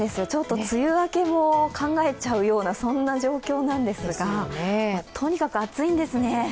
梅雨明けも考えちゃうような状況なんですが、とにかく暑いんですね。